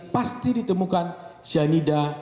pasti ditemukan cyanida